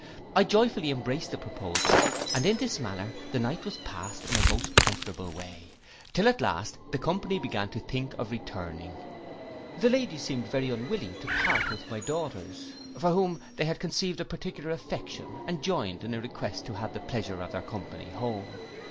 I joyfully embraced the proposal, and in this manner the night was passed in a most comfortable way, till at last the company began to think of returning. The ladies seemed very unwilling to part with my daughters; for whom they had conceived a particular affection, and joined in a request to have the pleasure of their company home.